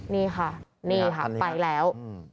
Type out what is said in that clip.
นี่ค่ะนี่ค่ะไปแล้ว